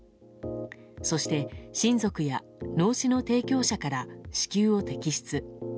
そして、親族や脳死の提供者から子宮を摘出。